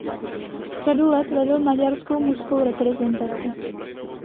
Řadu let vedl maďarskou mužskou reprezentaci.